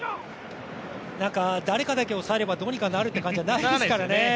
誰かだけ抑えればどうにかなるという感じじゃないですからね。